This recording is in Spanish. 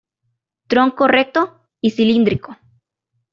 Tronco recto y cilíndrico.